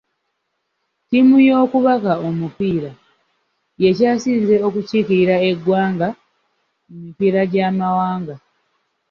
Ttiimu y'okubaka omupiira yeekyasinze okukiikirira eggwanga mu mipiira gy'amawanga.